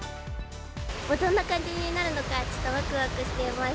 どんな感じになるのか、ちょっとわくわくしています。